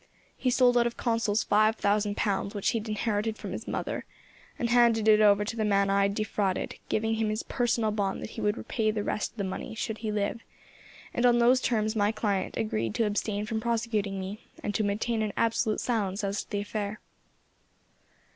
He sold out of consols five thousand pounds which he had inherited from his mother, and handed it over to the man I had defrauded, giving him his personal bond that he would repay the rest of the money, should he live; and on those terms my client agreed to abstain from prosecuting me, and to maintain an absolute silence as to the affair.